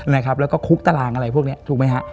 แล้วก็คุกตารางอะไรพวกนี้ถูกไหมฮะ